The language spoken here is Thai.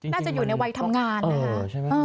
น่าจะอยู่ในวัยทำงานนะคะ